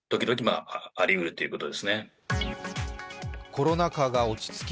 コロナ禍が落ち着き